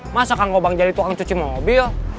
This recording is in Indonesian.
masa kang gobang jadi tukang cuci mobil